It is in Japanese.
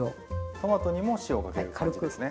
トマトにも塩をかける感じですね。